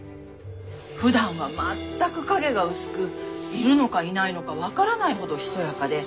ふだんは全く影が薄くいるのかいないのか分からないほどひそやかで。